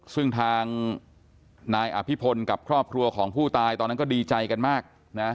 ซึ่งทางนายอภิพลกับครอบครัวของผู้ตายตอนนั้นก็ดีใจกันมากนะ